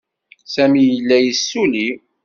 Sami yella yessulli.